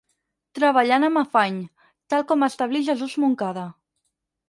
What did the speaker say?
Treballant amb afany, tal com establí Jesús Moncada.